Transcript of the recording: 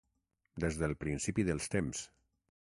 Des del principi dels temps.